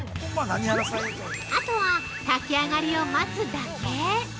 ◆あとは、炊き上がりを待つだけ。